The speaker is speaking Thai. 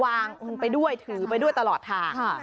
ไปด้วยถือไปด้วยตลอดทาง